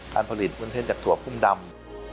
การผลิตวุ้นเส้นจากถั่วพุ่มดำ